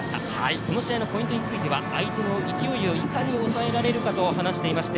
この試合のポイントについて、相手の勢いをいかに抑えられるかと話してました。